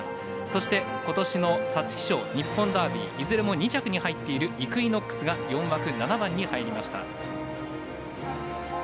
そして、今年の皐月賞日本ダービーいずれも２着に入っているイクイノックスが４枠７番に入りました。